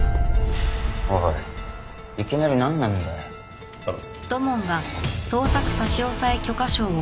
おいいきなりなんなんだよ。頼む。